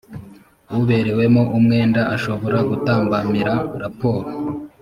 uberewemo umwenda ashobora gutambamira raporo